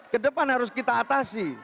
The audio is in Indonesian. kedepan harus kita atasi